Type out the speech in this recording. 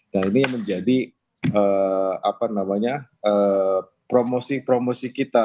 dan ini menjadi promosi promosi kita